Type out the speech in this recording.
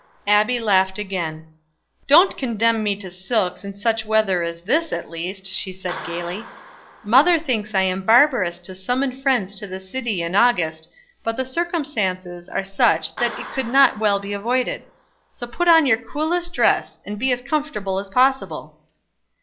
Abbie laughed again. "Don't condemn me to silks in such weather as this, at least," she said gaily. "Mother thinks I am barbarous to summon friends to the city in August; but the circumstances are such that it could not well be avoided. So put on your coolest dress, and be as comfortable as possible."